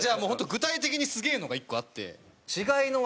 具体的にすげえのが１個あって。